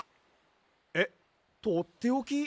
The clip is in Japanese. えっとっておき？